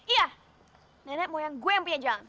iya nenek moyang gue yang punya juan